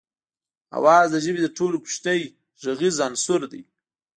آواز د ژبې تر ټولو کوچنی غږیز عنصر دی